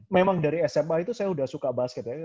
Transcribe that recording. memang dari sma itu saya sudah suka basket ya